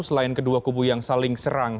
selain kedua kubu yang saling serang